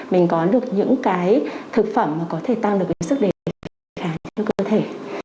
mình có được những cái thực phẩm mà có thể tăng được cái sức đề kháng cho cơ thể